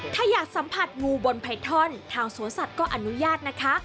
ถ้าอยากสัมผัสงูบนไพทอนทางสวนสัตว์ก็อนุญาตนะคะ